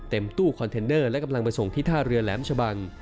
ตู้คอนเทนเนอร์และกำลังมาส่งที่ท่าเรือแหลมชะบัง